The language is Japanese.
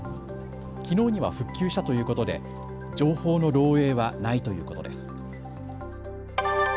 きのうには復旧したということで情報の漏えいはないということです。